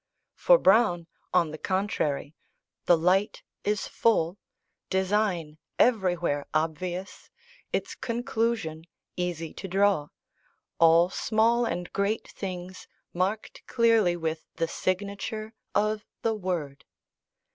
For Browne, on the contrary, the light is full, design everywhere obvious, its conclusion easy to draw, all small and great things marked clearly with the signature of the "Word."